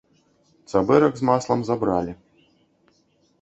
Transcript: Цабэрак з маслам забралі.